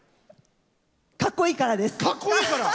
かっこいいからです。